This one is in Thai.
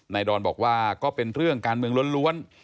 ดอนบอกว่าก็เป็นเรื่องการเมืองล้วน